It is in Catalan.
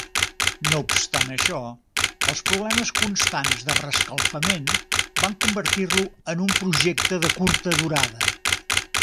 No obstant això, els problemes constants de reescalfament van convertir-lo en un projecte de curta durada.